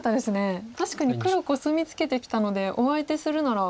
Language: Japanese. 確かに黒コスミツケてきたのでお相手するなら。